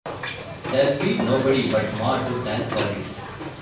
There'll he nobody but Ma to thank for it.